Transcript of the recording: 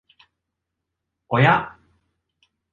おや！